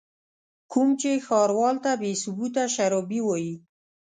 کوم چې ښاروال ته بې ثبوته شرابي وايي.